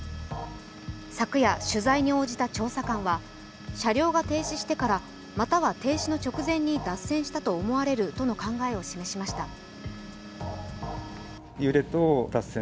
昨夜取材に応じた調査官は車両が停止してから、または停止の直前に脱線したと思われるとの考えを示しました。